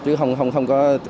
chứ không có